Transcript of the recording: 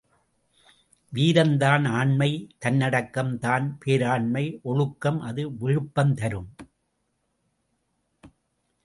வீரம் தான் ஆண்மை தன்னடக்கம் தான் பேராண்மை, ஒழுக்கம் அது விழுப்பம் தரும்.